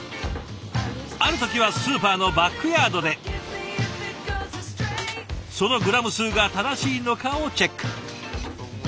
ある時はスーパーのバックヤードでそのグラム数が正しいのかをチェック。